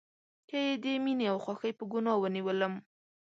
که یې د میینې او خوښۍ په ګناه ونیولم